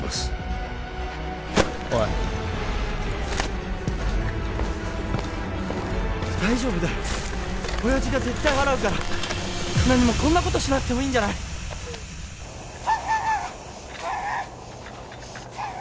・おいっ大丈夫だよ親父が絶対払うから何もこんなことしなくてもいいんじゃない？助けて！